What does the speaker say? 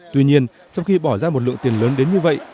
tuy nhiên sau khi bỏ ra một lượng tiền lớn đến như vậy